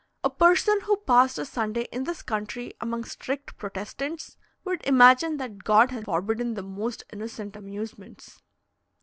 A person who passed a Sunday in this country among strict Protestants would imagine that God had forbidden the most innocent amusements.